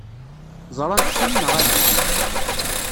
Ẓṛant-ten neɣ ala?